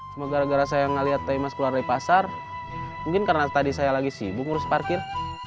semoga gara gara saya gak liat teh emas keluar dari pasar mungkin karena tadi saya lagi sibuk ngurus parkir